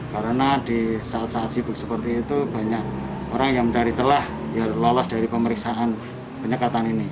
karena di saat saat sibuk seperti itu banyak orang yang mencari celah ya lolos dari pemeriksaan penyekatan ini